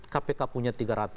kpk punya tiga ratus